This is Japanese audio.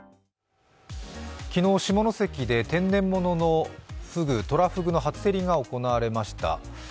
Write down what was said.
昨日、下関で天然物のとらふぐの初競りが行われました。